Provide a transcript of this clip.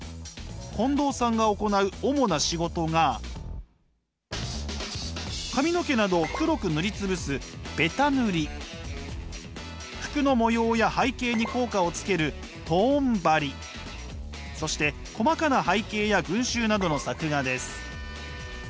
近藤さんが行う主な仕事が髪の毛などを黒く塗り潰すベタ塗り服の模様や背景に効果をつけるトーン貼りそして細かな背景や群集などの作画です。